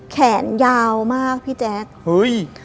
แขนยาวมากพี่แจ๊คเฮ้ย